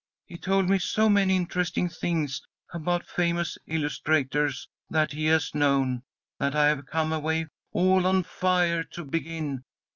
He told me so many interesting things about famous illustrators that he has known, that I have come away all on fire to begin.